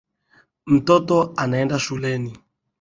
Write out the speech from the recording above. Mtoto anaenda shuleni.